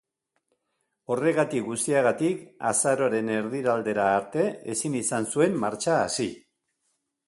Horregatik guztiagatik azaroaren erdialdera arte ezin izan zuen martxa hasi.